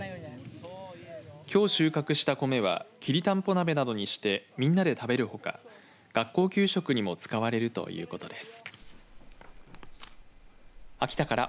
きょう収穫した米はきりたんぽ鍋などにしてみんなで食べるほか学校給食にも使われるということです。